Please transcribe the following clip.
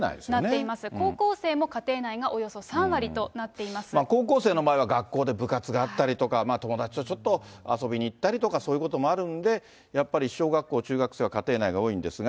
高校生も、家庭内がおよそ３高校生の場合は、学校で部活があったりとか、友達とちょっと遊びに行ったりとか、そういうこともあるので、やっぱり小学校、中学生は家庭内が多いんですが。